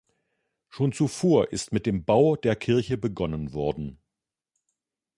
Schon zuvor ist mit dem Bau der Kirche begonnen worden.